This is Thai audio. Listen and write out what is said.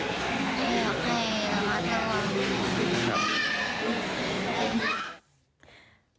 อยากให้ฟังอีกครั้งค่ะ